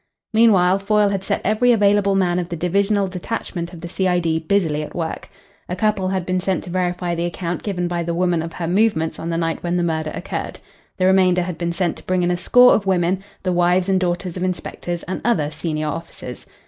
Meanwhile, Foyle had set every available man of the divisional detachment of the C.I.D. busily at work. A couple had been sent to verify the account given by the woman of her movements on the night when the murder occurred. The remainder had been sent to bring in a score of women, the wives and daughters of inspectors and other senior officers.